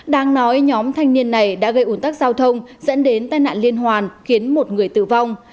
đang nói nhóm thanh niên này đã gây ủn tắc giao thông dẫn đến tai nạn liên hoàn khiến một người tử vong